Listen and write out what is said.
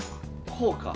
こうか。